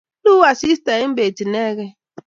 Luu asista eng bet inegei